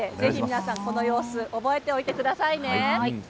この様子を覚えておいてくださいね。